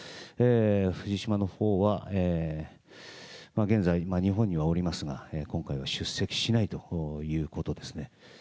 藤島のほうは、現在、日本にはおりますが、今回は出席しないということですね。